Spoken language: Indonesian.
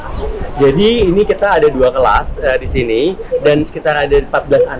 ini jadi ini kita ada dua kelas disini dan sekitar ada empat belas anak yang belajar disini dan